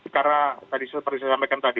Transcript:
karena seperti saya sampaikan tadi